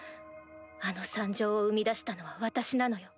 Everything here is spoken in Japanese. あの惨状を生み出したのは私なのよ。